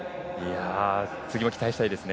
次も期待したいですね。